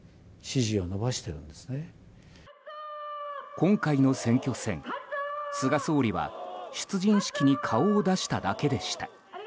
今回の選挙戦、菅総理は出陣式に顔を出しただけでした。